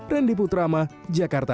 rendy putrama jakarta